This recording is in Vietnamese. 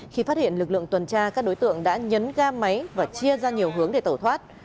khi phát hiện lực lượng tuần tra các đối tượng đã nhấn ga máy và chia ra nhiều hướng để tẩu thoát